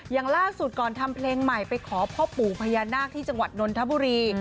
อย่างล่าสุดก่อนทำเพลงใหม่ไปขอพ่อปู่พญานาคที่จังหวัดนนทบุรี